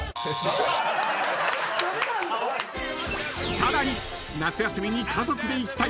［さらに］